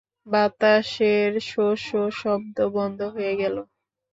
বাতাসের শো-শোঁ শব্দও বন্ধ হয়ে গেল!